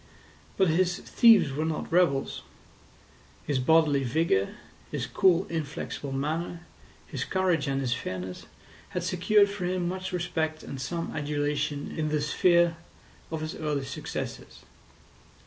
But his thieves were not rebels. His bodily vigour, his cool inflexible manner, his courage and his fairness, had secured for him much respect and some adulation in the sphere of his early successes.